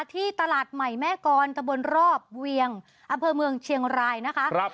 ที่ตลาดใหม่แม่กรตะบนรอบเวียงอำเภอเมืองเชียงรายนะคะ